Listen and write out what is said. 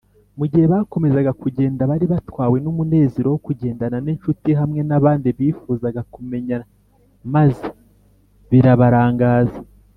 . Mu gihe bakomezaga kugenda, bari batwawe n’umunezero wo kugendana n’inshuti hamwe n’abandi bifuzaga kumenyana maze birabarangaza